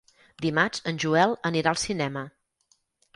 Dimarts en Joel anirà al cinema.